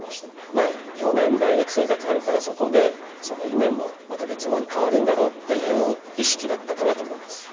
まあ４年大学生活あるからそこでその夢もまた別のに変わるんだろうっていう意識だったかなと思います。